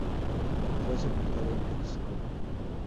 Fue sepultado en Texcoco.